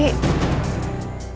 pengen kejadian lo